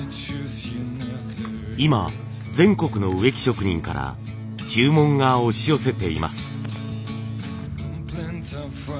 今全国の植木職人から注文が押し寄せています。